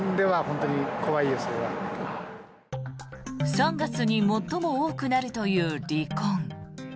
３月に最も多くなるという離婚。